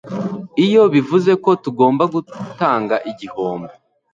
Ibi bivuze ko tugomba gutanga igihombo